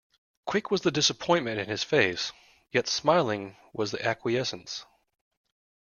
Quick was the disappointment in his face, yet smiling was the acquiescence.